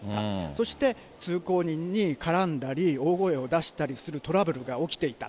そして通行人に絡んだり、大声を出したりするトラブルが起きていた。